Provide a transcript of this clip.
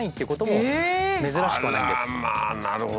なるほど。